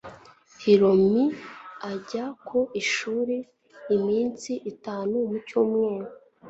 Hiromi ajya ku ishuri iminsi itanu mu cyumweru.